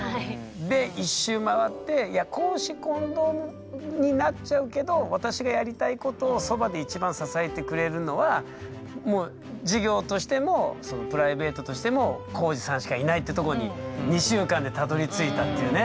で一周回っていや公私混同になっちゃうけど私がやりたいことをそばで一番支えてくれるのはもう事業としてもプライベートとしても皓史さんしかいないってとこに２週間でたどりついたっていうね。